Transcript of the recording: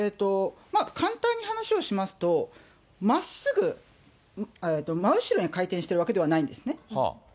簡単に話をしますと、まっすぐ、真後ろに回転してるわけではないんですね。